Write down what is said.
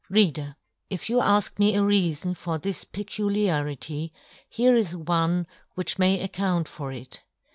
Rea der, if you afk me a reafon for this pecuUarity, here is one which may account for it.